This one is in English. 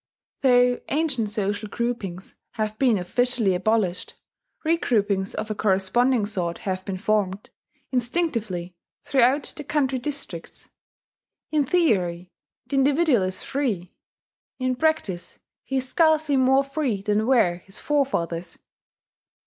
Though ancient social groupings have been officially abolished, re groupings of a corresponding sort have been formed, instinctively, throughout the country districts. In theory the individual is free; in practice he is scarcely more free than were his forefathers.